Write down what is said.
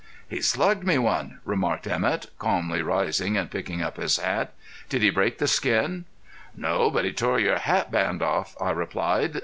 "He slugged me one," remarked Emett, calmly rising and picking up his hat. "Did he break the skin?" "No, but he tore your hat band off," I replied.